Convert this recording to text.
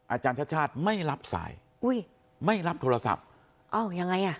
อาจารย์ชาติชาติไม่รับสายอุ้ยไม่รับโทรศัพท์อ้าวยังไงอ่ะ